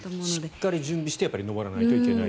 しっかり準備して登らないといけない。